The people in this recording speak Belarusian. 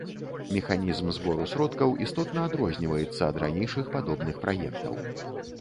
Механізм збору сродкаў істотна адрозніваецца ад ранейшых падобных праектаў.